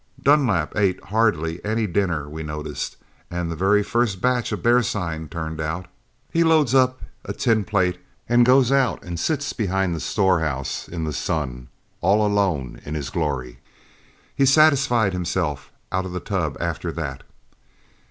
Dunlap ate hardly any dinner, we noticed, and the very first batch of bear sign turned out, he loads up a tin plate and goes out and sits behind the storehouse in the sun, all alone in his glory. He satisfied himself out of the tub after that.